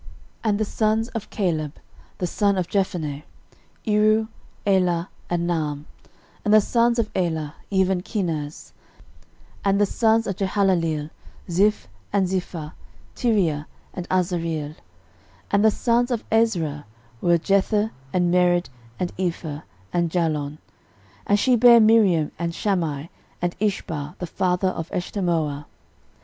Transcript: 13:004:015 And the sons of Caleb the son of Jephunneh; Iru, Elah, and Naam: and the sons of Elah, even Kenaz. 13:004:016 And the sons of Jehaleleel; Ziph, and Ziphah, Tiria, and Asareel. 13:004:017 And the sons of Ezra were, Jether, and Mered, and Epher, and Jalon: and she bare Miriam, and Shammai, and Ishbah the father of Eshtemoa.